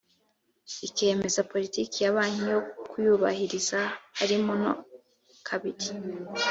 ikemeza politiki ya banki yo kuyubahiriza harimo no kabiri